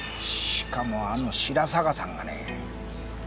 しかもあの白坂さんがね。